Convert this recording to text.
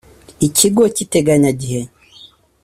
Ikigo cy’iteganyagihe